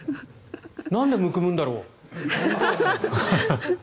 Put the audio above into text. なんでむくむんだろう？